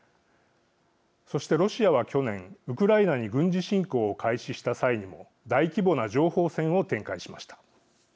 そして、ロシアは去年、ウクライナに軍事侵攻を開始した際にも大規模な情報戦を展開しました。